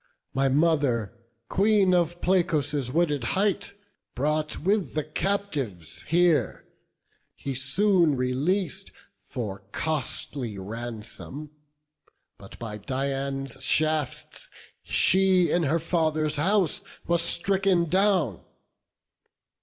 My mother, Queen of Placos' wooded height, Brought with the captives here, he soon releas'd For costly ransom; but by Dian's shafts She, in her father's house, was stricken down.